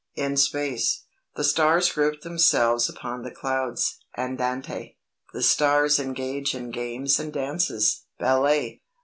IN SPACE "The stars group themselves upon the clouds (Andante). The stars engage in games and dances (Ballet).